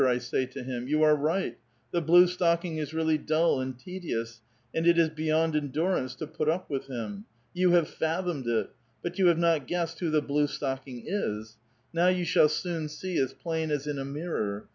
" I say to him, "you are right; the blue stocking is really dull nnd tedious, and it is beyond en durance to put up with him. You have fathomed it 1 But 3'ou have not guessed who the blue stocking is ! Now you shall soon see as plain as in a miri'or.